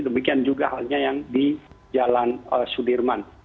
demikian juga halnya yang di jalan sudirman